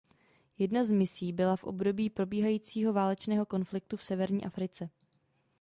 Jedna z misí byla v období probíhajícího válečného konfliktu v severní Africe.